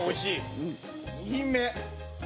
２品目！